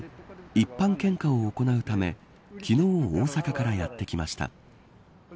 一般献花を行うため昨日、大阪からやってきました。